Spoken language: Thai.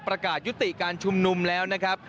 ประกาศยุติการชุมนุมแล้วนะครับ